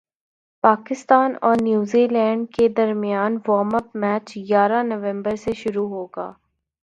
پاکستان اور New Zealand A کے درمیان وارم اپ میچ گیارہ نومبر سے شروع ہوگا